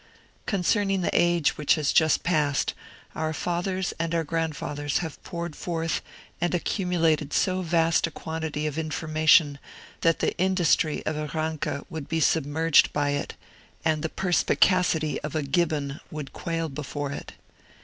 Concerning the Age which has just passed, our fathers and our grandfathers have poured forth and accumulated so vast a quantity of information that the industry of a Ranke would be submerged by it, and the perspicacity of a Gibbon would quail before it.